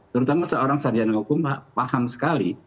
terutama seorang sarjana hukum paham sekali